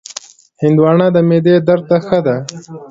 هندوانه د معدې درد ته ښه ده.